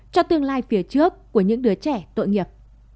cho tương lai phía trước của những đứa trẻ tội nghiệp